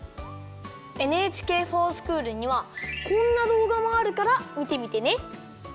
ＮＨＫｆｏｒＳｃｈｏｏｌにはこんなどうがもあるからみてみてね。